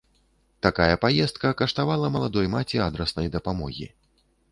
Такая паездка каштавала маладой маці адраснай дапамогі.